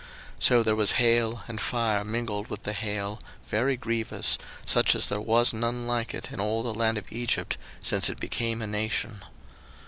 02:009:024 So there was hail, and fire mingled with the hail, very grievous, such as there was none like it in all the land of Egypt since it became a nation.